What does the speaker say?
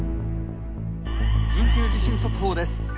「緊急地震速報です」。